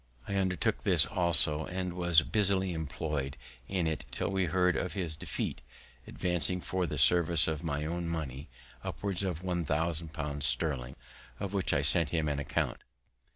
I undertook this also, and was busily employ'd in it till we heard of his defeat, advancing for the service of my own money, upwards of one thousand pounds sterling, of which I sent him an account.